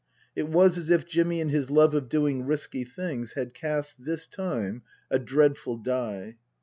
It was as if Jimmy, in his love of doing risky things, had cast, this time, a dreadful die.